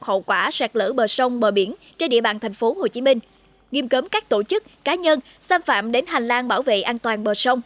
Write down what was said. hậu quả sạt lỡ bờ sông bờ biển trên địa bàn tp hcm nghiêm cấm các tổ chức cá nhân xâm phạm đến hành lang bảo vệ an toàn bờ sông